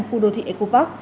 khu đô thị eco park